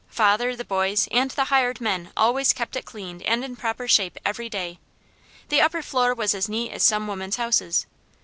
Father, the boys, and the hired men always kept it cleaned and in proper shape every day. The upper floor was as neat as some women's houses.